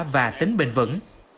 và tính bình vẩn